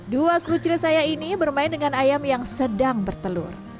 dua krucil saya ini bermain dengan ayam yang sedang bertelur